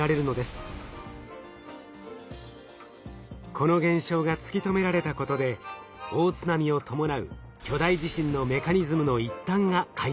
この現象が突き止められたことで大津波を伴う巨大地震のメカニズムの一端が解明されました。